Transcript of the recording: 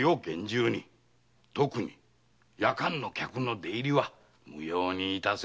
特に夜間の客の出入りは無用にいたせ。